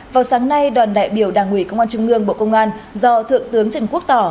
vào sáng nay đoàn đại biểu đảng ủy công an trung ương bộ công an do thượng tướng trần quốc tỏ